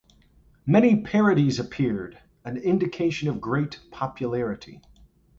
Many parodies appeared, an indication of great popularity.